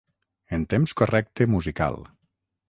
En temps correcte musical.